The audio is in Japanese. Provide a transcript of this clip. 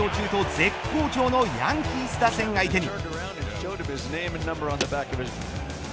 現在１１連勝中と絶好調のヤンキース打線相手に。